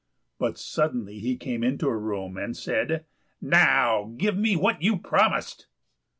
But suddenly he came into her room, and said, "Now give me what you promised."